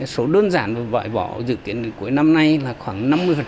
số đơn giản bài bỏ dự kiến đến cuối năm nay là khoảng năm mươi